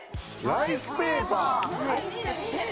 ライスペーパー！